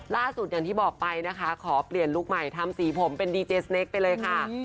ล่าสุดอย่างที่บอกไปนะคะขอเปลี่ยนลุคใหม่ทำสีผมเป็นดีเจสเนคไปเลยค่ะ